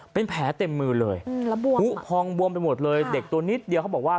เป็นแผลเต็มมือเลยผู้พองบวมไปหมดเลยเด็กตัวนิดเดียวเขาบอกว่า